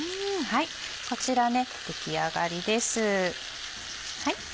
こちら出来上がりです。